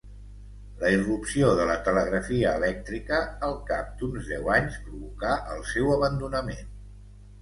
La irrupció de la telegrafia elèctrica al cap d'uns deu anys provocà el seu abandonament.